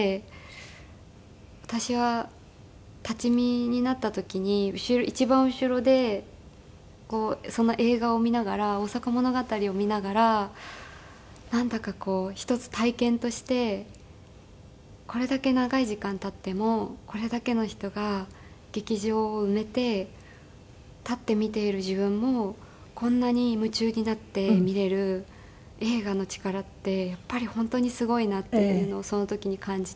私は立ち見になった時に一番後ろでその映画を見ながら『大阪物語』を見ながらなんだかこう一つ体験としてこれだけ長い時間立ってもこれだけの人が劇場を埋めて立って見ている自分もこんなに夢中になって見れる映画の力ってやっぱり本当にすごいなっていうのをその時に感じて。